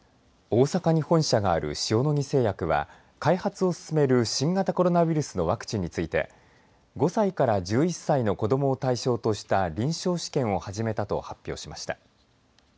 大阪に本社がある塩野義製薬は開発を進める新型コロナウイルスのワクチンについて５歳から１１歳の子どもを対象とした臨床試験を始めたと発表しました。